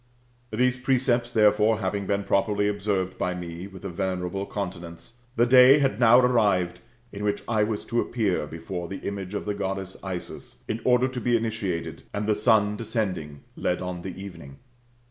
These precepts therefore, having been properly observed by me, with a venerable continence, the day had now arrived in which I was to appear before the image of the Goddess Isis, in order to be initiated, and the sun descend ing led on the evening.